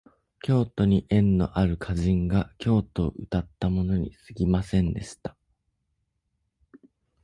京都に縁のある歌人が京都をうたったものにすぎませんでした